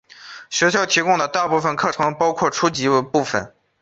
学校提供的大部分课程都包括初级部分。